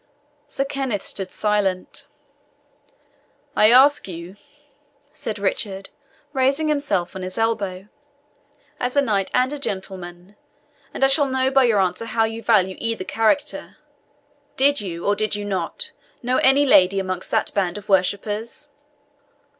Sir Kenneth stood silent. "I ask you," said Richard, raising himself on his elbow, "as a knight and a gentleman and I shall know by your answer how you value either character did you, or did you not, know any lady amongst that band of worshippers?"